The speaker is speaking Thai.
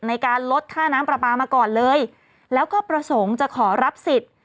ในการลดค่าน้ำปลาปลามาก่อนเลยแล้วก็ประสงค์จะขอรับสิทธิ์